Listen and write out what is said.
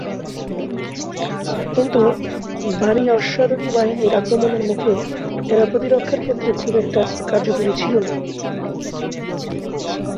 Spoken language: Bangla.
কিন্ত ভারী অশ্বারোহী বাহিনীর আক্রমণের মুখে এরা প্রতিরক্ষার ক্ষেত্রে খুব একটা কার্যকরী ছিল না।